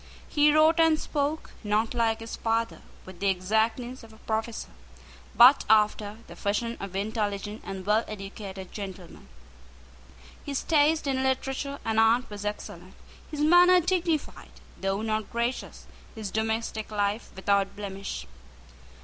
He wrote and spoke, not, like his father, with the exactness of a professor, but after the fashion of intelligent and well educated gentlemen. His taste in literature and art was excellent, his manner dignified, though not gracious, his domestic life without blemish.